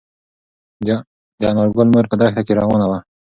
د انارګل مور په دښته کې روانه وه.